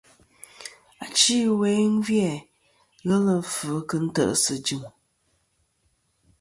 Achi ɨwe gvi-a ghelɨ fvɨ kɨ nte ̀sɨ jɨm.